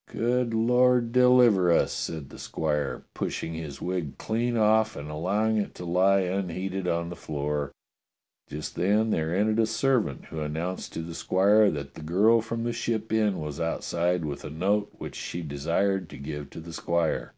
'* "Good Lord deliver us!" said the squire, pushing his wig clean off and allowing it to lie unheeded on the floor. Just then there entered a servant who announced to the squire that the girl from the Ship Inn was outside with a note which she desired to give to the squire.